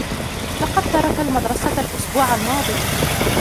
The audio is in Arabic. لقد ترك المدرسة الأسبوع الماضي.